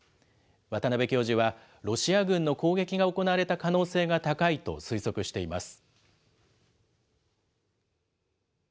渡邉教授は、ロシア軍の攻撃が行われた可能性が高いと推測しています。